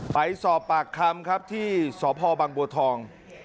ไปสอบปากคำครับที่สพบังบัวทอง